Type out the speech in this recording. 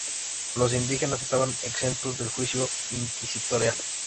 Los indígenas estaban exentos del juicio inquisitorial.